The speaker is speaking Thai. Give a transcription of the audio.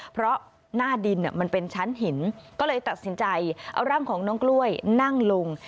เพราะหน้าดินมันเป็นชั้นหินก็เลยตัดสินใจเอาร่างของน้องกล้วยนั่งลง